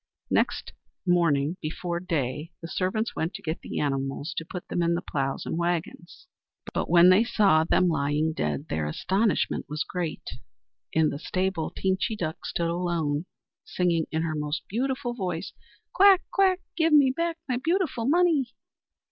Next morning, before day, the servants went to get the animals to put them to the ploughs and waggons; but when they saw them lying dead their astonishment was great. In the stable Teenchy Duck stood alone, singing in her most beautiful voice: "Quack! quack! Give me back my beautiful money!"